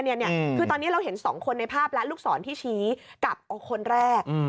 คือตอนนี้เราเห็น๒คนในภาพและลูกศรที่ชี้กับคนแรก